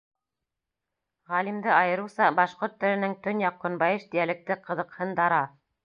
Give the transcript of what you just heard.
Ғалимды айырыуса башҡорт теленең төньяҡ-көнбайыш диалекты ҡыҙыҡһындара.